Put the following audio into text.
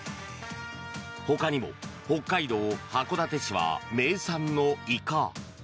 ほかにも北海道函館市は名産のイカ